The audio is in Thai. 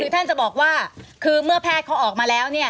ท่านจะบอกว่าคือเมื่อแพทย์เขาออกมาแล้วเนี่ย